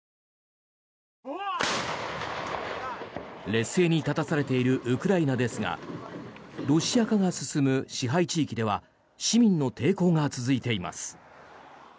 劣勢に立たされているウクライナですがロシア化が進む支配地域では市民の抵抗が続いています。